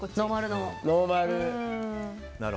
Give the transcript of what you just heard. ノーマル。